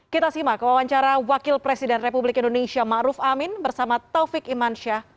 kita simak kewawancara wakil presiden republik indonesia ma'ruf amin bersama taufik iman syah